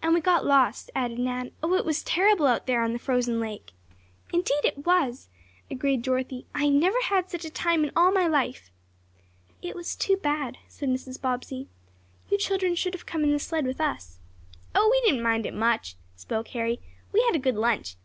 "And we got lost," added Nan. "Oh, it was terrible out there on the frozen lake!" "Indeed it was," agreed Dorothy. "I never had such a time in all my life." "It was too bad," said Mrs. Bobbsey. "You children should have come in the sled with us." "Oh, we didn't mind it much," spoke Harry. "We had a good lunch.